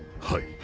はい。